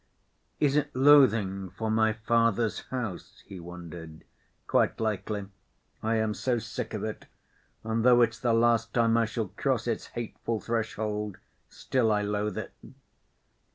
"Is it loathing for my father's house?" he wondered. "Quite likely; I am so sick of it; and though it's the last time I shall cross its hateful threshold, still I loathe it....